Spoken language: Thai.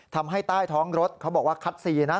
ทำให้ใต้ท้องรถเขาบอกว่าคัดซีนะ